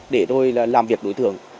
để tôi làm việc đối tượng